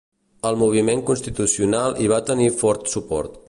El moviment constitucional hi va tenir fort suport.